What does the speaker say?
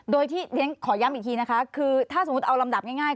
โดยที่เรียนขอย้ำอีกทีนะคะคือถ้าสมมุติเอาลำดับง่าย